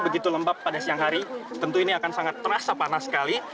begitu lembab pada siang hari tentu ini akan sangat terasa panas sekali